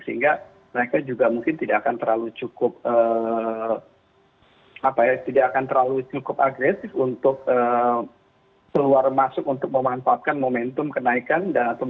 sehingga mereka juga mungkin tidak akan terlalu cukup agresif untuk keluar masuk untuk memanfaatkan momentum kenaikan